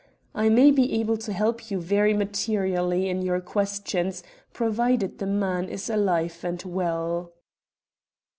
I may be able to help you very materially in your questions, provided the man is alive and well."